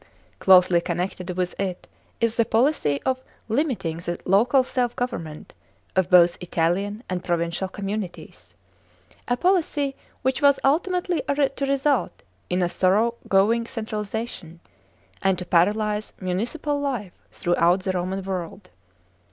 Closely connected with it is (2) the policy of limiting the local self government of both Italian and provincial communities, a policy which was ultimately to result in a thorough going centralisation, and to paralyse municipal life throughout the Roman world.